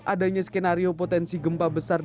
adanya skenario potensi gempa besar